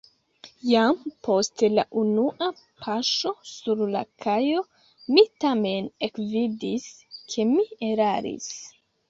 Jam post la unua paŝo sur la kajo mi tamen ekvidis, ke mi eraris.